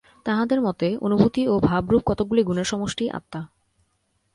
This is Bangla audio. তাঁহাদের মতে অনুভূতি ও ভাবরূপ কতকগুলি গুণের সমষ্টিই আত্মা।